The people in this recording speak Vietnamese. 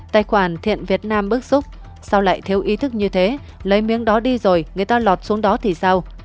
tài khoản thiện việt nam bức xúc sau lại thiếu ý thức như thế lấy miếng đó đi rồi người ta lọt xuống đó thì sao